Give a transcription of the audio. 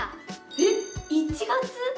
えっ１月？